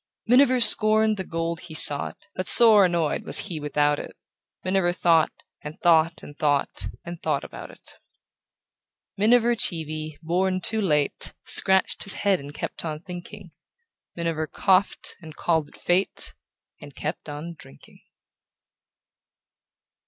Miniver scorned the gold he sought, But sore annoyed was he without it; Miniver thought, and thought, and thought, And thought about it. Miniver Cheevy, born too late, Scratched his head and kept on thinking; Miniver coughed, and called it fate, And kept on drinking.